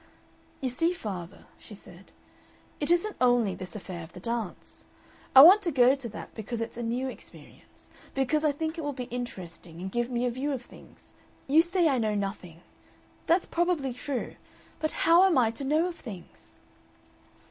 "You see, father," she said, "it isn't only this affair of the dance. I want to go to that because it's a new experience, because I think it will be interesting and give me a view of things. You say I know nothing. That's probably true. But how am I to know of things?"